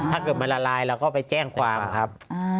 ถ้าเกิดมันละลายเราก็ไปแจ้งความครับ